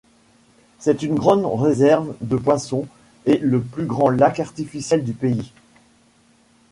C'est une grande réserve de poissons et le plus grand lac artificiel du pays.